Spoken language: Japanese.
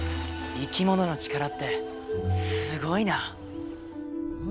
生き物の力ってすごいな。